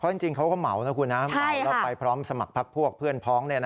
จริงเขาก็เหมานะคุณนะเหมาแล้วไปพร้อมสมัครพักพวกเพื่อนพ้อง